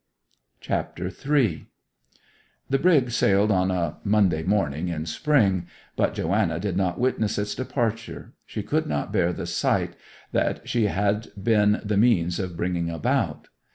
CHAPTER III The brig sailed on a Monday morning in spring; but Joanna did not witness its departure. She could not bear the sight that she had been the means of bringing about.